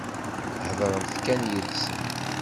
Heḍṛemt kan yid-sen.